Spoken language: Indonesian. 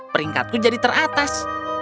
peringkatku jadi teratas